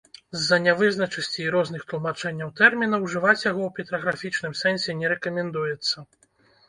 З-за нявызначанасці і розных тлумачэнняў тэрміна ўжываць яго ў петраграфічным сэнсе не рэкамендуецца.